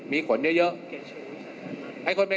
มีขนเยอะ